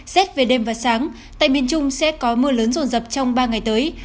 xét về đêm và sáng tại miền trung sẽ có mưa lớn rồn rập trong ba ngày tới